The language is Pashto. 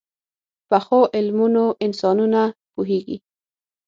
پخو علمونو انسانونه پوهيږي